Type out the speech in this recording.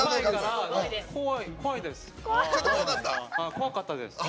速かったですね！